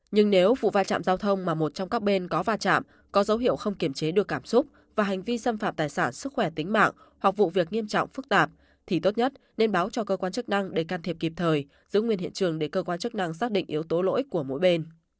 nhưng nếu vụ va chạm giao thông mà một trong các bên có va chạm có dấu hiệu không kiểm chế được cảm xúc và hành vi xâm phạm tài sản sức khỏe tính mạng hoặc vụ việc nghiêm trọng phức tạp thì tốt nhất nên báo cho cơ quan chức năng để can thiệp kịp thời giữ nguyên hiện trường để cơ quan chức năng xác định yếu tố lỗi của mỗi bên